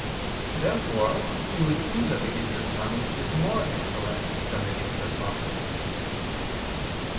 Therefore it would seem that the gift of tongues is more excellent than the gift of prophecy.